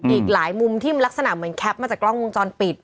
อีกหลายมุมที่มันลักษณะเหมือนแคปมาจากกล้องวงจรปิด